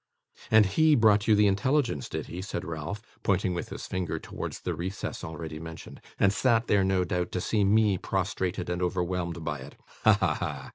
'And HE brought you the intelligence, did he?' said Ralph, pointing with his finger towards the recess already mentioned; 'and sat there, no doubt, to see me prostrated and overwhelmed by it! Ha, ha, ha!